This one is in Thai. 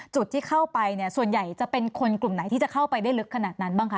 จุดที่เข้าไปเนี่ยส่วนใหญ่จะเป็นคนกลุ่มไหนที่จะเข้าไปได้ลึกขนาดนั้นบ้างคะ